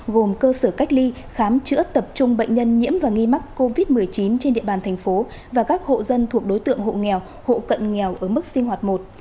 gồm cơ sở cách ly khám chữa tập trung bệnh nhân nhiễm và nghi mắc covid một mươi chín trên địa bàn thành phố và các hộ dân thuộc đối tượng hộ nghèo hộ cận nghèo ở mức sinh hoạt một